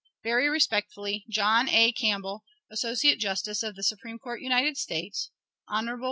Very respectfully, JOHN A. CAMPBELL, Associate Justice of the Supreme Court, United States. Hon.